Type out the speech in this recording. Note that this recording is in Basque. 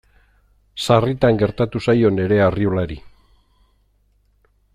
Sarritan gertatu zaio Nerea Arriolari.